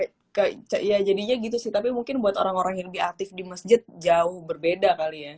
iya jadinya gitu sih tapi mungkin buat orang orang yang lebih aktif di masjid jauh berbeda kali ya